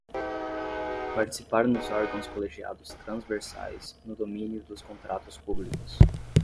Participar nos órgãos colegiados transversais no domínio dos contratos públicos.